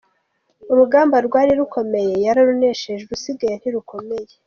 Urugamba rwari rukomeye yararunesheje, urusigaye ntirukomeye.